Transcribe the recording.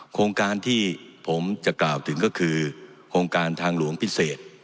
โครงการที่ผมจะกล่าวถึงก็คือโครงการทางหลวงพิเศษ